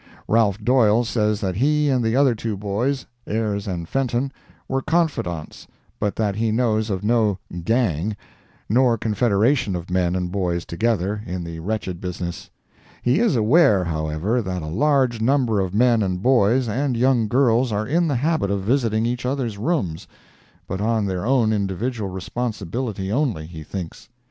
Ralph Doyle says that he and the other two boys, Ayres and Fenton, were "confidants," but that he knows of no "gang," nor confederation of men and boys together, in the wretched business. He is aware, however, that a large number of men and boys and young girls are in the habit of visiting each other's rooms, but on their own individual responsibility only, he thinks.